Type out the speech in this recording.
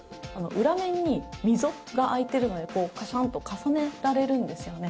裏面に溝が開いているのでカシャンと重ねられるんですよね。